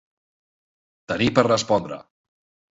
Tenir per respondre.